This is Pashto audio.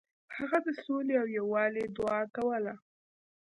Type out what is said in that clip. هغه د سولې او یووالي دعا کوله.